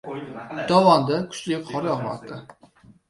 Dovonda kuchli qor yog‘moqda